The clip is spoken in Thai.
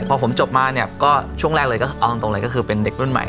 พอผมจบมาเนี่ยก็ช่วงแรกเลยก็เอาตรงเลยก็คือเป็นเด็กรุ่นใหม่